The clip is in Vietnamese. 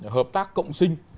hợp tác cộng sinh